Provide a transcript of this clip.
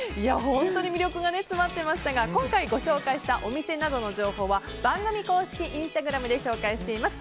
本当に魅力が詰まってましたが今回ご紹介したお店などの情報は番組公式インスタグラムで紹介しています。